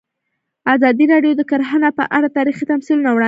ازادي راډیو د کرهنه په اړه تاریخي تمثیلونه وړاندې کړي.